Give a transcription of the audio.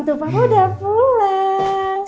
tuh papa udah pulang